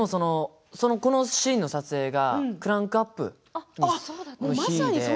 このシーンの撮影がクランクアップの日で。